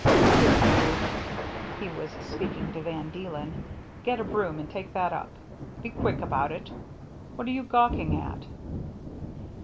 "Here, you," — he was speaking to Van Deelen, —" get a broom and take that up. Be quick about it. What are you gawking at